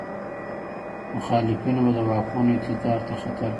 مخالفینو به د واکمنو اقتدار ته خطر پېښاوه.